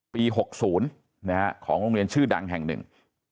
ปี๖๐ของโรงเรียนชื่อดังแห่งหนึ่ง